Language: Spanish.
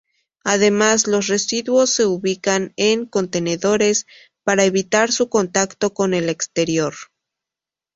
Además, los residuos se ubican en contenedores para evitar su contacto con el exterior.